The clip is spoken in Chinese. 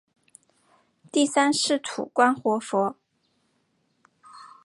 第三世土观活佛。